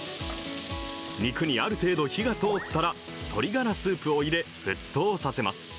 肉にある程度火が通ったら、鶏ガラスープを入れ、沸騰させます。